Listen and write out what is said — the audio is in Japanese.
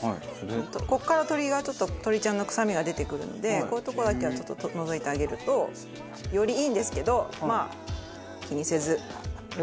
ここから鶏がちょっと鶏ちゃんの臭みが出てくるのでこういう所だけはちょっと除いてあげるとよりいいんですけどまあ気にせず。